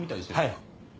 はい。